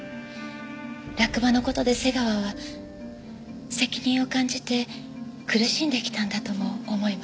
落馬の事で瀬川は責任を感じて苦しんできたんだとも思いました。